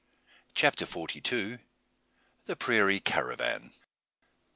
CHAPTER FORTY TWO. THE PRAIRIE CARAVAN.